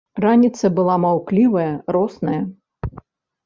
Раніца была маўклівая, росная.